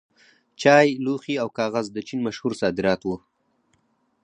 چای، لوښي او کاغذ د چین مشهور صادرات وو.